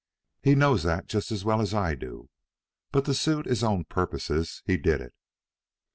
He knows that just as well as I do, but to suit his own purposes he did it."